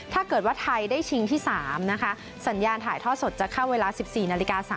ถ้าเกิดว่าไทยได้ชิงสันที่๓สัญญาณถ่ายทอดจะเข้าเวลา๑๔๓๕น